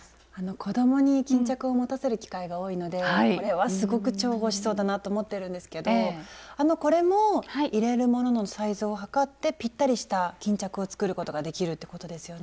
子どもに巾着を持たせる機会が多いのでこれはすごく重宝しそうだなと思ってるんですけどこれも入れるもののサイズを測ってぴったりした巾着を作ることができるってことですよね。